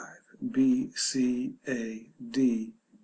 c. a. d.